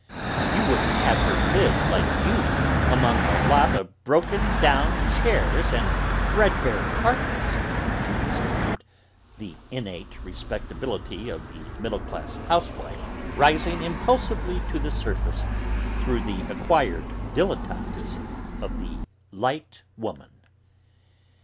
"You wouldn't have her live, like you, among a lot of broken down chairs and threadbare carpets!" she exclaimed, the innate respectability of the middle class housewife rising impulsively to the surface through the acquired dilettantism of the 'light woman.'